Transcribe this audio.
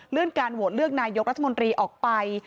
การโหวตเลือกนายกรัฐมนตรีออกไป